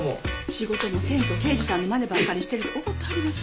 仕事もせんと刑事さんのまねばっかりしてるって怒ってはりますのんや。